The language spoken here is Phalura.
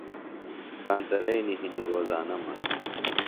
کانترئینی ہِنیۡ روزانہ مہ۔